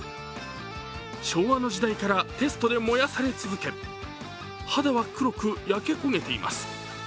昭和の時代からテストで燃やされ続け、肌は黒く焼け焦げています。